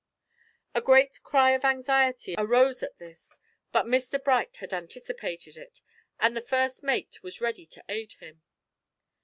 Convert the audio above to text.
A great cry of anxiety arose at this, but Mr Bright had anticipated it, and the first mate was ready to aid him.